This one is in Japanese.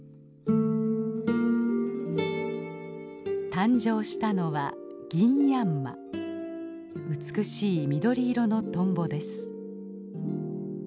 誕生したのは美しい緑色のトンボです。